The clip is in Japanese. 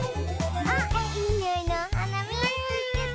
あいいにおいのおはなみつけた！